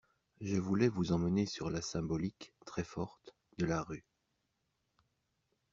Je voulais vous emmener sur la symbolique, très forte, de la rue.